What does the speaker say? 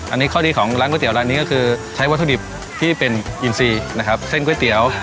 อันนี้ข้อดีของร้านก๋วเตี๋ร้านนี้ก็คือใช้วัตถุดิบที่เป็นอินซีนะครับเส้นก๋วยเตี๋ยว